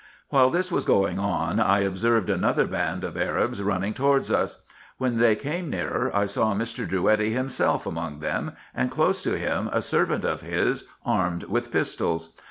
While this was going on, I observed another band of Arabs running towards us. When they came nearer, I saw Mr. Drouetti himself among them, and close to him a servant of his, armed with pistols.